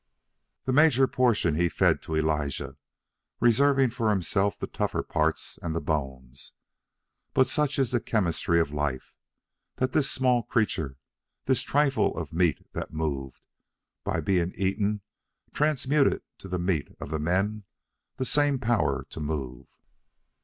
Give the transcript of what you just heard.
The major portion he fed to Elijah, reserving for himself the tougher parts and the bones. But such is the chemistry of life, that this small creature, this trifle of meat that moved, by being eaten, transmuted to the meat of the men the same power to move.